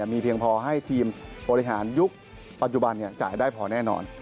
มีเพียงพอให้ทีมบริหารยุคปัจจุบันจ่ายได้พอแน่นอน